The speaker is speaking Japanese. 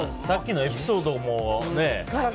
さっきのエピソードもね